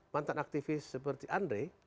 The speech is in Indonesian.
mantan aktivis seperti andre